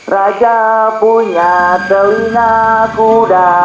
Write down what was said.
raja punya telinga kuda